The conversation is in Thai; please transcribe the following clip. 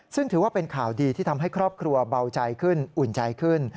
ซึ่งถือว่าเป็นข่าวดีที่ทำให้ครอบครัวเบาใจขึ้นอุ่นใจขึ้น